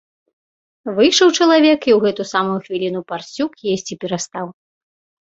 Выйшаў чалавек, і ў гэтую самую хвіліну парсюк есці перастаў.